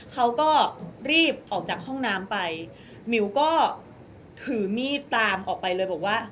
เขาก็รีบออกจากห้องน้ำไปหมิวก็ถือมีดตามออกไปเลยบอกว่า